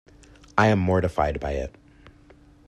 I am mortified by it.